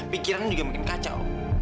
pikirannya juga akan menjadi kacau